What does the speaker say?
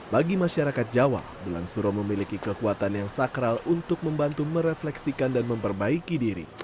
bagi masyarakat jawa bulan suro memiliki kekuatan yang sakral untuk membantu merefleksikan dan memperbaiki diri